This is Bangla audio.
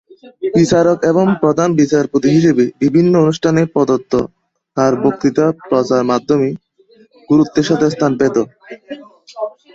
বিচারক এবং প্রধান বিচারপতি হিসেবে বিভিন্ন অনুষ্ঠানে প্রদত্ত তার বক্তৃতা প্রচার মাধ্যমে গুরুত্বের সাথে স্থান পেত।